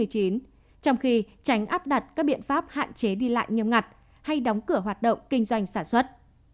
trong khi tránh áp đặt các biện pháp hạn chế đi lại nghiêm ngặt hay đóng cửa hoạt động kinh doanh sản xuất